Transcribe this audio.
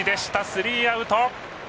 スリーアウト。